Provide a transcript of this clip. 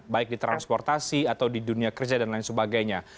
baik di transportasi atau di dunia kerja dan lain sebagainya